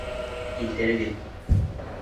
Килтерегеҙ.